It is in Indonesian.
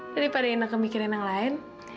daripada enak kemikirin yang lain